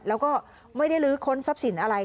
แล้วก็ไม่ได้ลื้อค้นทรัพย์สินอะไร